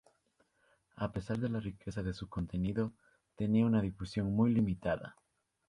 A pesar de la riqueza de su contenido, tenía una difusión muy limitada.